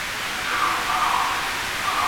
لکه پتڼ وزر مي وړمه د سره اور تر کلي